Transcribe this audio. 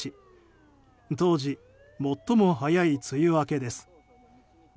当時、最も早い梅雨明けです。